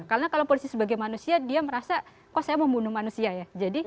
karena kalau polisi sebagai manusia dia merasa kok saya membunuh manusia ya